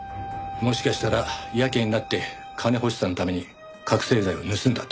もしかしたらやけになって金欲しさのために覚醒剤を盗んだって事も。